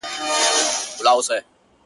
پر غوټۍ د انارګل به شورماشور وي٫